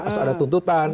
harus ada tuntutan